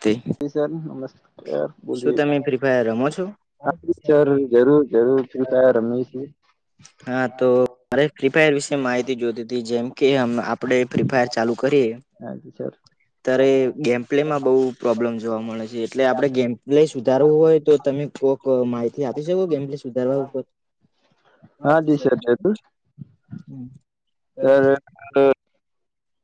તે હે [inaudible] રમો છો? હા [unintelligible] જરૂર જરૂર ફ્રી ફાયર રમીએ છીએ. હા તો મારે ફ્રી ફાયર વિશે માહિતી જોતી હતી જેમ કે આપડે ફ્રી ફાયર ચાલુ કરીએ ત્યારે ગેમ પ્લેમાં બઉ પ્રોબ્લેમ જોવા મળે છે. એટલે આપણે ગેમ પ્લે સુધારવું હોય તો તમે કોઈક માહિતી આપી શકો ગેમ પ્લે સુધારવા ઉપર. [inaudible]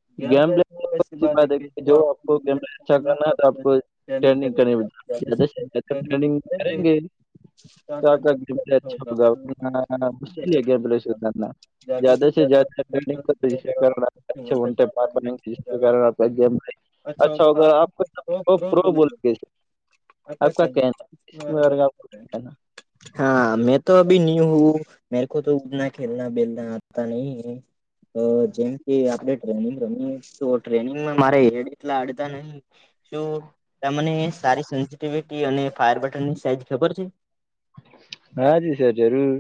[unintelligible] [unintelligible] [unintelligible] [unintelligible] [unintelligible] અચ્છા હોગા [unintelligible] [unintelligible] હા મેં તો અભી ન્યુ હું. મેળખો તો ઉદના ખેલના બેલના આપતા નહી. જેમ કે આપડ ટ્રેનિંગ મારે એડટલા આડતા નહી શું? તમને સારી સેન્સિટિવિટી અને ફાયર બટની સાઈઝ ખબર છે? હા જી સર જરૂર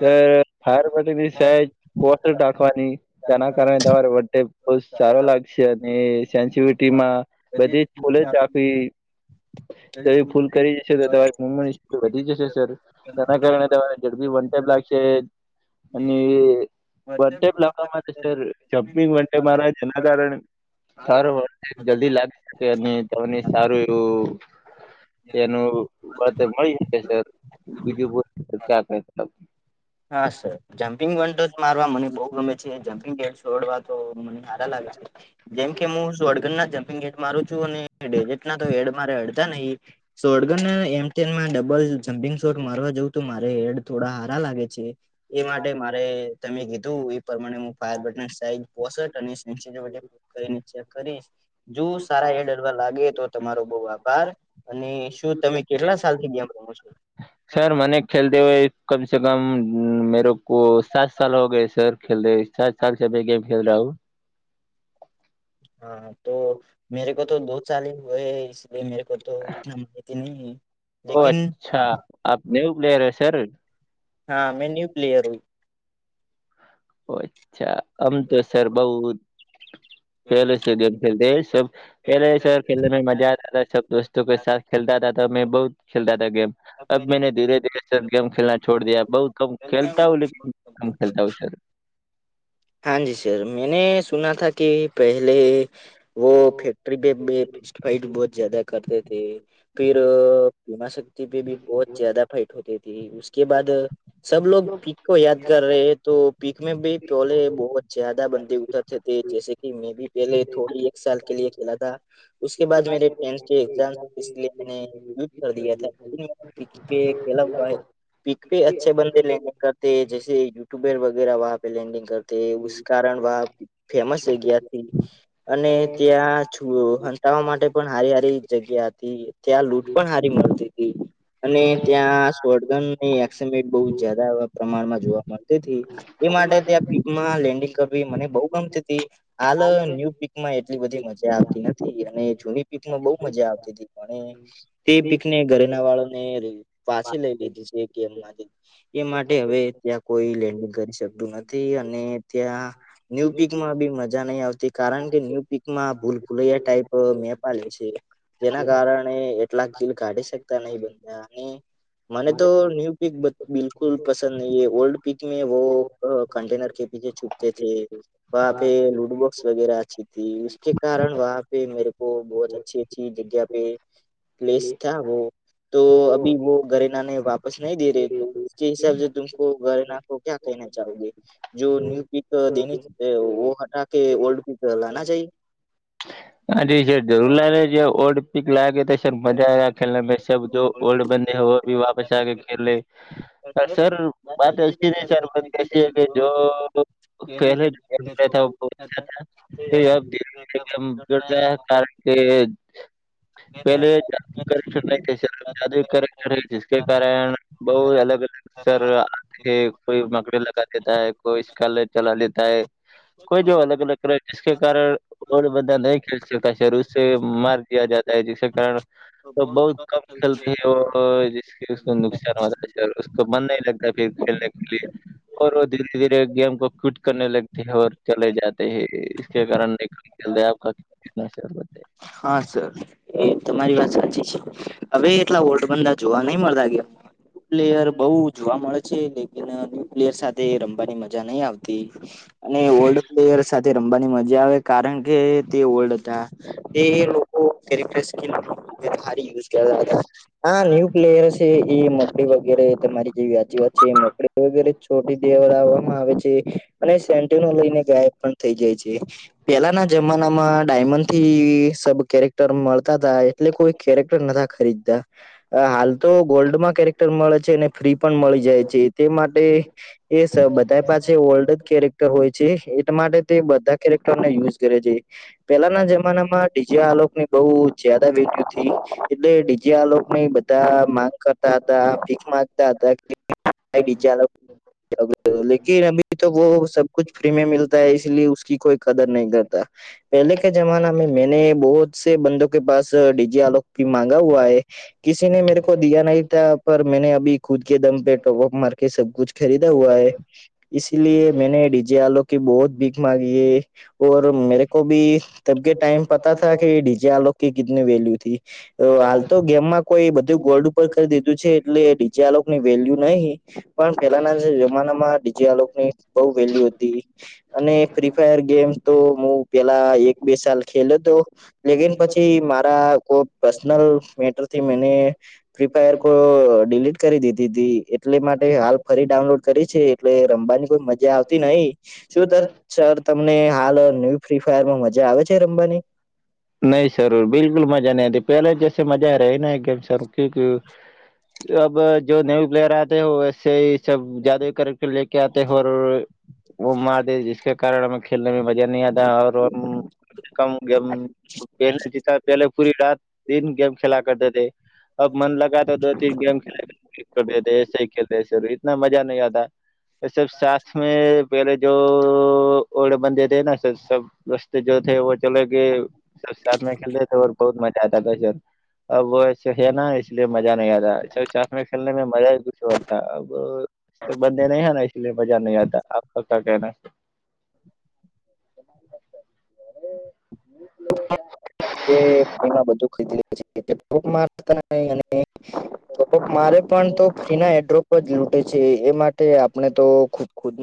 સર ફાર પની સાહેજ પોસ્ટ રાખવાની તેના કારણે તમારે [unintelligible] બોહ સારો લાગશે અને સેન્સિવિટી માં બધી જ ફૂલે જ રાખવી સર એ ફૂલ કરી જશે તો તમારી મેમરી વધી જશે સર તેના કારણે તમાને ઝડબી વન ટાઈમ લાગશે અને [unintelligible] સર જમ્પિંગ વ મારા તેના કારણે સાર વર જલ્દી લાગી શકે અને તને સારું એવું એનું વાત મળી શકે સર બીજું ક્યાંક નહી હા સર જમ્પિંગ વટો જ મારવા મને બહુ ગમે છે જમ્પિંગેડ છોડવા તો મને હારા લાગે છે જેમકે હું સોડગ ના જમ્પંગ હેડ મારું છું અને ડેજેટ ના તો હેડ મારે હડતા નહી સોડગરને એમનમાં ડબલ જમ્પિંગ શોટ મારવા જવઉું તો મારે હેડ થોડા હારા લાગે એ માટે મારે તમે કીધું એ પ્રમાણે ફાયર બટન સાઈ પો અને નીચે કરી નીચે કરી [unintelligible] જો સારા એડ અરવા લાગે તો તમારો બઉ આભાર અને શું તમે કેટલા સાલ થી ગેમ રમો છો ખેલતે હોય કમસે કમ મેરો ઓ સાત સલ હો ગય સર ખેલતે સાત સાલ શે ગેમ ખેલ રહા હુ હા તો મેરે કો તો ડો સાલ હી હુંયે હે મેરે કો [unintelligible] હા મેં ન્યુ પ્લેયર હુ અચ્છા આમ તો સર બઉ પેલેસે ખેલતે હૈ સબ પહેલા સ ખેલને મે મજા આતા હતા સબ દોસ્તો કે સાથ ખેલતા હતા તો મેં બહુત ખેલતા તા ગેમ અબ મેને ધીરે ધીરે સર ગેમ ખેલના છોડ ડિયા બહુ કમ ખેલતા હું પર કમ ખેલતા હુ સર હા જી સર મેને સુના થ કે પહેલે વ ફ ટિબે ફ ફઇટ બહ જદા કરતે થ [unintelligible] ફીર પીમા શક્તિ પે ભી બહુ જ્યાદા ફાઇટ હોતી થી. ઉસ્કે બાદ સબલોગ પીક કો યાદ કર ર હૈ તો પીક મે ભી ચોલે બહુ જ્યાદા બંદે ઉતરતેે જૈસે કે મેં ભી પહેલે થોડી એક સાલ કે લીયે ખેલા થા. ઉસ્કે બાદ મેરે ફ્રેન્ડ કે એક્ઝામ છે ઇસલીએ મૈને કર દ થ કે ખેલા હુ હૈ [unintelligible] પીક પે અચ્છે બંદે લેન્ડિંગ કર હૈ જસે યુટ્યુબર વગેરાહ પે લેન્ડિંગ તે ઉસ કારણ બાદ ફેમસ જગ્યાથી અને ત્યાં છ હટવા માટે પણ હારી હારી જગ્યા હતી. ત્યાં લૂંટ પણ હારી મળતી હતી. અને ત્યાં શોટગનની એક્સેમેટ બહુ જ જદા પ્રમાણમાં જોવા મળતી હતી. એ માટે ત્યાં પિકમાં લેન્ડિંગ કરવી મને બહુ ગમતી હતી હાલ ન્યૂ પ માં એટલી બધી મજા આવતી નથી અને જૂની પીકમાં બહુ મજા આવતી હતી પણ તે પીકને ઘરેના વાળો ને પાછ લઈ લીધી છે ગેમમાંથી એ માટે હવે ત્યાં કોઈ લેન્ડિંગ કરી શકતું નથી અને ત્યાં ન્યુ પીકમાં બી મજા નહી આવતી કારણ કે ન્યુ પીકમાં ભૂલ ભુલૈયા ટાઈપ મેપલેે છે. જેના કારણે એટલા ગીલ કાઢી શકતા નહી બનતા અને મને તો ન્યૂ પિક બિકુલ પસંદ નહી હ ઓલ્ડ પિક મે વ કંન્ટેનર કે પીછે છૂપતે થે. વહ પે લુડુ બોક્સ વગે અચ્છી થથી કે કારણ વહ પે મેરે કો બહ અચછી અચછી જગ્યા પે પ્લેસ થવો. તો અભી વો ગરેના ને વાપસ નહી દે ર તો કે હસાબે તુમ કો ઘરેના કો ક્યા કહેના ચહોગે. જો ન્યૂ પિક દેની વો હટા કે ઓલ્ડ પિક લાના ચાહીએ? [inaudible] હા સર જરૂર લાગે છે ઓડપિક લાગે તો સર મજા આવે ખેલ જો ગોલ્ડ બંદે હો ભી વાપસ આ કે ખેલ લે સર વાત અી રહી સરારત કસી કે [unintelligible] જડ રહ કારણ કે પહેલે [unintelligible] કર જકે કારણ બહુ અલગ અસર આખે કોઈ મકડી લગ લેતા હૈ કોઈશ કલર ચલા લેતા હૈ. કોઈ જો અલગ અલગ કરે કે કારણ ઓ બધા ન ખેલ સતા શહેરસે માર દ જતા જ કારણ તો બહુત કમ ખલતી જ નુકસાન હો છે. તો મન નહી લગતા ફ ખેલને કે લિયે. ઓ ધીરે ધીરે ગેમ કો ફિટ કરવા લગતી હૈ ચલે જતે હૈ કારણ નહી ચલ રહ આપ ક [inaudible] [inaudible] હા સર એ તમારી વાત સાચી છે હવે એટલા વોડ મા જોવા નઈ મળતા ગ પ્લેયર બઉ જોવા મળે છે લેકિન પ્લેયર સાથે રમવાની મજા નહી આવતી અને ઓલ્ડ પ્લેયર સાથે રમવાની મજા કારણ કે તે ઓલ્ડ હતા તે લોકો કરિક્ટર સ્કકીલ ભારી યુઝ કર જ હા ન્યુ પ્લેયર હ છે એ મકડી વગેરે તમારી જેવી આજી વાત છે એ મકડી વગેરે ચોટી દેવ લાવવામાં આવે છે. અને સેન્ટીનો લઈને ગાયબ પણ થઇ જાય છે. પેલાના જમાના માં ડાયમંડ થી સબ મળતા તા એટલે કોઈ કેરેક્ટર નતા ખરીદતા હાલ તો ગોલ્ડમાં કેરેક્ટર મળે છે અને ફ્રી પણ મળી જાય છે તે માટે એ સ બધા પાછે ઓલ્ડ કેરેક્ટર હોય છે એટ માટે તે બધા કેરેક્ટરને યુઝ કરે છે પેલાના જમાનામાં ડીજે આલોક ની બહ જદા વેલ્યુથી એટલે ડીજે આલોક ની બધા માંગ કર હતા માગતા હતા [inaudible] લક અભી તો વો સબકુછ ફ્રી મે મિલતા હે ઈસી લિયે ઉસકી કોઈ કદર નહી કરતા પહેલે કે જમાના મે મેને બહોત સે બંદો કે પાસે ડીજે આલોક માંગા હુવા હૈ કીસીને મેરે કો દીયા નહી થા પર મેને અભી ખુદ કે દમ પે ટોપ ઓફ માર્કેટ સબકુ ખરીદા હુઆ હૈ ઈસી લીયે મેને ડીજે આલો કે બહુત ભીખ માગી હૈ ઓઔ મેરે કો ભી તબ કે ટાઈમ પતા થા કે ડીજે આલ કે કતની વેલ્યુ થથી હાલ તો ગેમમાં કોઈ બધું ગોલ્ડ ઉપર કરી દીધું છે એટલે બીજા લોકની વેલ્યુ નહી પણ પેલાના જ જમાના માં ડીજે આલોકોની બોહ વેલ્યુ હતી અને ફ્રી ફાયર ગેમ તો હું પેલા એક બે સાલ ખેલ્યો તો લગન પછી મારા કો પર્સનલ મેટરથી મેને ફ્રીફાયર કો ડિલીટ કરી દીધી હતી એટલે માટે હાલ ફરી ડાઉનલોડ કરી છે એ રમવાની કોઈ મજા આવતી નહિ શું સર સર તમને હાલ ન્યુ ફ્રી ફાયરમાં મજા આવે છે રમવાની નઈ સર બિલકુલ મજા ન આતી પહેલા જૈસે મજા ર એક ગમ સર કુ અબ જો નવ પ્લેયર આતે હો વેસે હિ સબ જ્યાદા કરેક્ટર લેકે આતે વોમાર દે જિસકે કારણ હમે ખેલનેમાં મજા નહી આતા કમ ગેમ [inaudible] પૂરી રાત દિન ગેમ ખેલા કરતી થ અબ મન લગા તો દો ટીન ગેમ ખેલા [inaudible] એસ ખેલતે એસે ઇતના મજા નહી આતા એ સબ સાથ મે પેલે જો ઓળે બંધે થે સર સબ [inaudible] [unintelligible] અબ વ છેે હૈ ના ઇસલિયે મજા નહી આતા સબ સાથ ખેલને મે મજા હિ કુછ ઓર થા અબ તો બંદે નઈ હે ના ઈસ લીયે મજા નહી આતા આપકા ક્યાં કહેના હૈ? [inaudible] [inaudible] [inaudible] [unintelligible] તેના એડ્રોપ જ લૂટે છે એ માટે આપણે તો ખુદ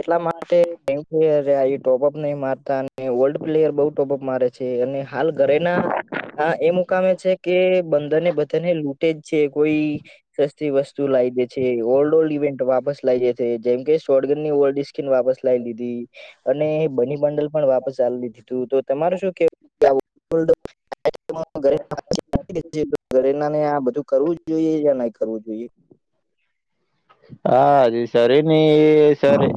એટલા માટે [unintelligible] અરે આ ટોપઅપ નહી મારતા અને ઓલ્ડ પ્લેયર બઉ ટોપઅપ મારે છે અને હાલ ઘરેના હા એ મુકામે છે કે બંદાને બધાને લૂટે જ છે કોઈ સસ્તી વસ્તુ લાઈ જે છે ઓલ્ડ ઓલ્ડ ઇવેન્ટ વાપસ લઈ એ છે જેમ કે - શોટ ગનની ઓલ્ડ સ્કીન વાપસ લાઈ દીધી. અને એ બની બંડલ પણ વાપસ આલી દીધૂતું તો તમારે શું કેવુ? [unintelligible] [inaudible] [inaudible] ઘરેના ને આ બધું કરવું જ જોઈએ યા નઈ કરવું જોઈએ? [unintelligible]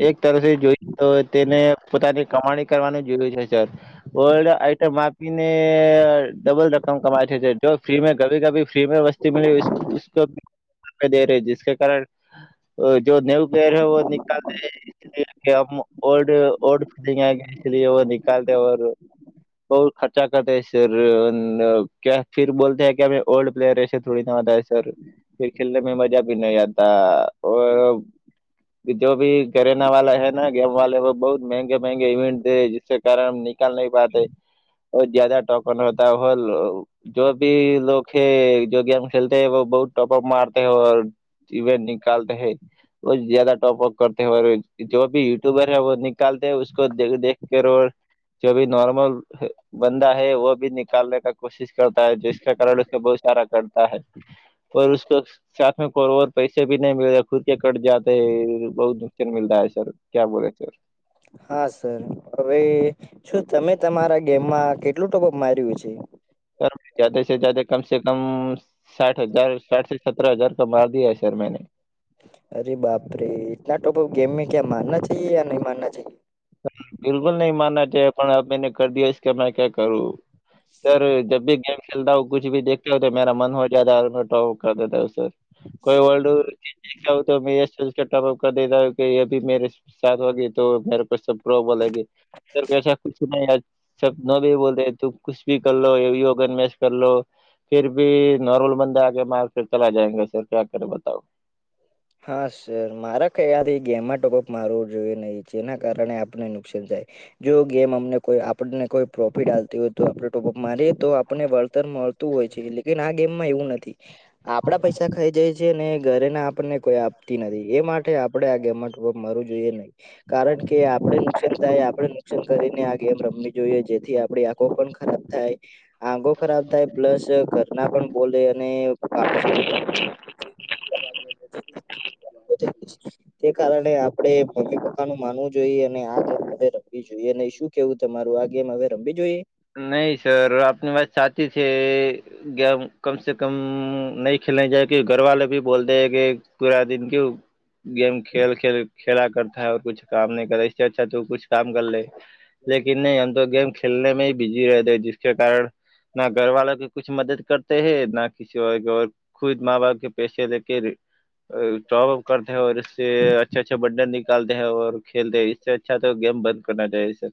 અતારે જો તેને પોતાની કમાણી કરવાનું જોયું છે સર ઓલ્ડ આઈટમ ડબલ રકમ કમાય છે. જો ફ્રી મે કભી કભી ફ્રી મે વસ્તી વસ [unintelligible] જીશ કે કારણ જો નેવ પ્લેયર હે વો નિકાલતે હૈ. કેમ કે ઓલ્ડ ઓલ્ડ [unintelligible] નિકાલતે ઓર બહૂત ખર્ચા કરતે હે સર ક્યા ફીર બોલતે કેમે ઓલ્ડ પ્લેયર રહેશે. થડી ના સર ફીર ખેલને મે મજા ભી નહી આતા ઓર‌ જો ભી ઘરેના વાલા હૈ ના ગેમ વાલા બહુત મંંગે મંગે ઈવેન્ટ દેે જીશ કે કારણ નિકાલને વાત [unintelligible] જદા ટોકન હોતા [unintelligible] જો ભી લોકો છેે જો ગેમ ખેલતે હૈ વ બહુ ટોપઅપ મારતા હૈ. ઇવે નિકાલતે બહુત જદા ટોપઅપ કરતા જો યટ્યુબર હૈ. નિકાલતે હૈ ઉસકો દેખ કર જો ભી નોર્મલ બંધા હૈ વહ ભી નિકાલને કી કોશિશ કરતા હૈ જીશ કારણ બહુ સારા કરતા હૈ. પર ઉસકો [unintelligible] [unintelligible] ખુદકે કટ જાતે હે બહુત નુકસાન મલતા સર ક્યા બોલે સર. હા સર અને શું તમે તમારા ગેમમાં કેટલું ટોપઅપ માર્યું છે? સર જાદા સે જાદા કમસે કમ સાઠ હજાર સાઠથી સતત્રરા હજાર કા માર દિયા હૈ સર મેને. અરે બાપરે ઈતના ટોપ અપ ગેમ ક્યા મારના ચાહયે યા નહી મારના ચાહયે? બિલકુલ નહી મારના છે પણ મેને કરી દિયા ઈસકા મે ક્યાં કરું. સર જબ ભી ગેમ ખેલતા કુછભી દેખતા હુ તો મેરા મન હો જાતા કરતા કોઈ વર્લ્ડ [unintelligible] તો દેતા હ કે અી મે સા વાગી તો મે પ્રો લે સર વસાા કુું ન આ સ નવી બોલ તું કુશ બી કરલો એ યોગન્યાસ કરલો. ફીર ભી નોર્મલ બંદા આગે માર કે ચલા જાયંગે સર ક્યા કરે બતાવ. હા સર મારા કયાથી ગેમમાં ટોપઅપ મારવું જોઈએ નહીં જેના કારણે આપને નુકસાન થાય. જો ગેમ અમને કો આપણને કોઈ પ્રોફિટ હાલતી હોય તો આપડ ટોપઅપ મારીએ તો આપને વળતર મળતું હોય છે લન આ ગેમમાં એવું નથી. આપડા પૈસા ખાઈ જાય છે ને ઘરેના આપણને કોઈ આપ નથી એ માટે આપણે આ ગેમમાં મારું જોઈએ નહી કારણ કે આપણે નુ આપડે નુકસાન કરીને આ ગેમ રમવી જોઈએ જેથી આપડી આંખો પણ ખરાબ થાય આંખો ખરાબ થાય પ્લસ ના પણ બોલે અને બા બ તે કારણે આપડણે મમ્મી પપ્પા નું માનવું જોઈએ અને આ રખવી જોઈએ અને શું કેવું તમારું આ ગેમ હવે રમવી જોઈએ નહી સર આપની વાત ચાતી થ ગેમ કમસે કમ નહી ખેલ જાય કે ઘરવાા ભી બોલતે હે કે પુરા દન કુ ગેમ ખેલ ખેલ ખેલા કરતા કુછ કામ ન કરે અચછા તો ક કામ કર લે લકન નહી અમ તો ગેમ ખેલને મે બિઝી રહેતે જી કે કારણ ના ઘરવાા કે કછ મદદ કરતા હૈ ના કસી મા બાપ કે પૈેશ દે કે જબ કરતા અચ્છા અચ્છ બટન નકાલતાૈ ખેલતેૈ અચ્છા તો ગેમ બંધ કરના ચાય સર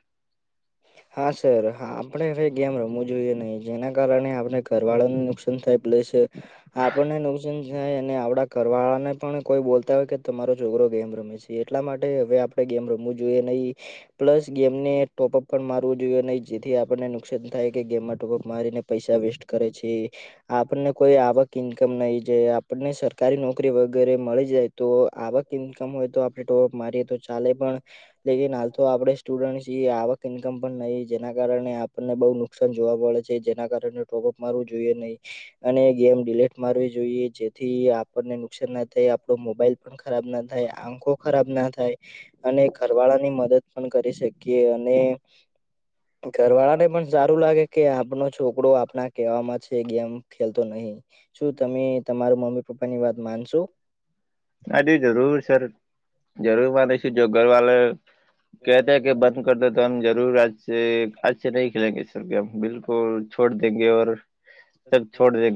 હા સર આપણે હવે ગેમ રમવું જોઈએ નહી જેના કારણે આપણે ઘરવાળાને નુકસાન સન થાય પ્લે છે આપણને નુકસાન થાય અને આવડા ઘવાળા ને પણ કોઈ બોલતા હોય કે તમારો છોકરો ગેમ રમે છે એટલા માટે હવે આપણે ગેમ રમવું જોઈએ નહી પ્લસ ગેમને ટોપઅપ પણ મારવું જોઈએ નહીં જેથી આપણને નુકસાન થાય કે ગેમમાં ટોપઅપ મારીને પૈસા વેસ્ટ કરે છે આપણને કોઈ આવક ઈન્કમ નહી જે આપણને સર સરકારી નોકરી વગેરે મળી જાય તો આવક ઇન્કમ હોય તો આપણે ટોપ મારીએ તો ચાલે પણ લેકન હાલ તો આપડે સ્ટુડન્ટ ઈન્કમ પણ નહીં જેના કારણે આપણને બહુ નુકસાન જોવા મળડે છે જેના કારણે ટોકઅપ મારવું જોઈએ નહીિ અને ગેમ ડડીલીટ મારવી જોઈએ થી આપણને નુકસાન ના થાય આપડો મોબાઈલ પણ ખરાબ ના થાય આંખો ખરાબ ના થાય અને ઘરવાળા ની મદદ પણ કરી શકીએ અને ઘરવાળાને પણ સારું લાગે કે આપનો છોકરો આપના કહેવામાં છે ગેમ ખેલતો નહી. શું તમે તમાર મમ્મી પપ્પા ની વાત માનશો? નથી જરૂર સર જરૂર માનીશું જો ઘર વાલે કેહેતે કે બધું કર દે તોમ જરૂર આજ આજે નહી ખેલગેવ ગેમ બિલકુલ છોડ દેગે તબ છોડ દે.